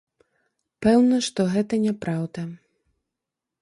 Пэўна, што гэта няпраўда.